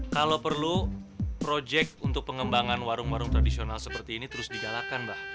kalau perlu proyek untuk pengembangan warung warung tradisional seperti ini terus digalakan mbak